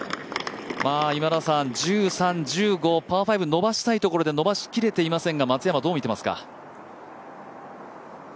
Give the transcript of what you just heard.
１３、１５、パー５伸ばしたいところで伸ばし切れてないですが松山、どう見てますか？